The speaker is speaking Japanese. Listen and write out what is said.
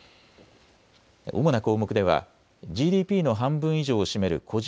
主な項目ではＧＤＰの半分以上を占める個人